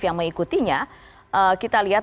yang mengikutinya kita lihat